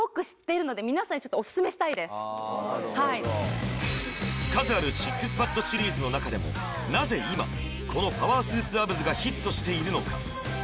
もうホントにこの数あるＳＩＸＰＡＤシリーズの中でもなぜ今このパワースーツアブズがヒットしているのか？